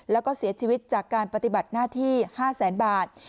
แล้วก็เสียชีวิตจากการปฏิบัติหน้าที่๕แสนบาท